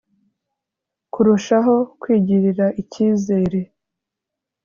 Kurushaho kwigirira icyizere